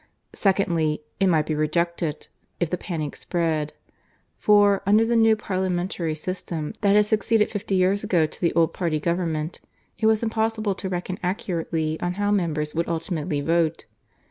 Secondly, it might be rejected, if the panic spread; for, under the new parliamentary system that had succeeded fifty years ago to the old Party Government, it was impossible to reckon accurately on how members would ultimately vote.